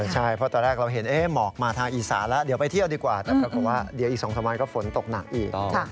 ใช่เพราะตอนแรกเราเห็นหมอกมาทางอีสานแล้วเดี๋ยวไปเที่ยวดีกว่าแต่ปรากฏว่าเดี๋ยวอีก๒๓วันก็ฝนตกหนักอีก